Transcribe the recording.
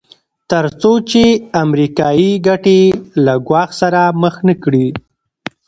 تر څو چې امریکایي ګټې له ګواښ سره مخ نه کړي.